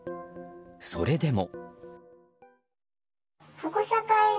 それでも。